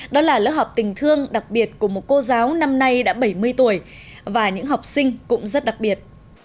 đó là lớp học tình thương đặc biệt của một cô giáo năm nay đã bảy mươi tuổi và những học sinh cũng rất đặc biệt